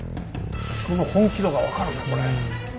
その本気度が分かるねこれ。